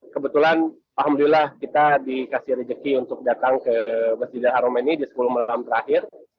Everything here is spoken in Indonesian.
kebetulan alhamdulillah kita dikasih rezeki untuk datang ke masjidil haram ini di sepuluh malam terakhir